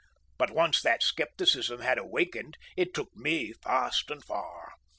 But once that scepticism had awakened it took me fast and far.